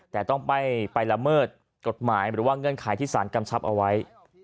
แต่ต้องไปละเมิดกฎหมายหรือว่าเงื่อนไขที่สารกำชับเอาไว้